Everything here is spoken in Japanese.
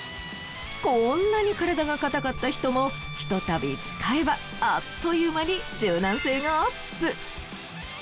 こんなに体が硬かった人もひとたび使えばあっというまに柔軟性がアップ。